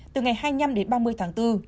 từ ngày hai mươi năm đến ba mươi tháng bốn